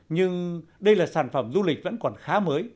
nhưng đây là sản phẩm du lịch vẫn còn khá mới